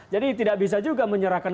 tidak bisa juga menyerahkan